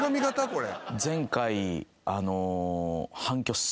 これ。